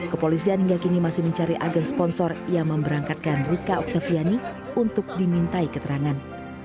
kepolisian hingga kini masih mencari agen sponsor yang memberangkatkan rika oktaviani untuk dimintai keterangan